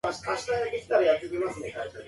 アニメを見るのが好きです。